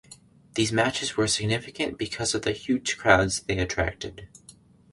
These matches were significant because of the huge crowds they attracted.